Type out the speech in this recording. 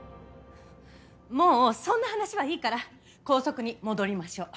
もうそんな話はいいから校則に戻りましょう。